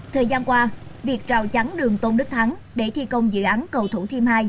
thời gian qua việc rào chắn đường tôn đức thắng để thi công dự án cầu thủ thiêm hai